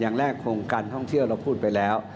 อย่างแรกโครงการท่องเที่ยวเราพูดไปแล้ว